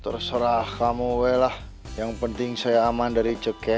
terserah kamu weh lah yang penting saya aman dari ceket